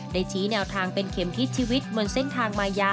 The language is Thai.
ชี้แนวทางเป็นเข็มทิศชีวิตบนเส้นทางมายา